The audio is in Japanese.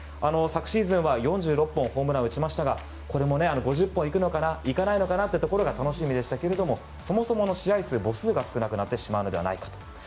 昨シーズンは４６本のホームランを打ちましたがこれも５０本行くのか行かないのかってところが楽しみでしたがそもそもの試合数の母数が少なくなってしまうのではないかと。